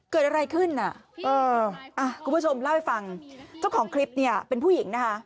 เกิดอะไรขึ้นน่ะเอออ่ะคุณผู้ชมเล่าให้ฟังเจ้าของคลิปเนี่ยเป็นผู้หญิงนะคะ